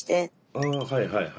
ああはいはいはい。